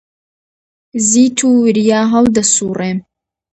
زیت و وریا هەڵدەسووڕێم.